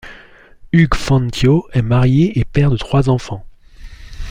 Hugues Fantino est marié et père de trois enfants.